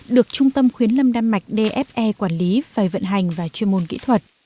được trung tâm khuyến lâm đan mạch dfe quản lý phải vận hành và chuyên môn kỹ thuật